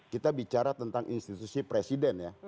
kita bicara tentang institusi presiden ya